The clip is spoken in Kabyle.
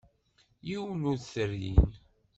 Yiwen ur t-rrin.